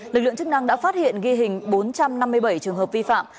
lực lượng chức năng đã phát hiện ghi hình bốn trăm năm mươi bảy trường hợp vi phạm